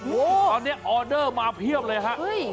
ตอนนี้ออเดอร์มาเพียบเลยครับ